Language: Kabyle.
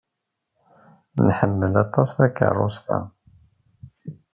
Nḥemmel aṭas takeṛṛust-a.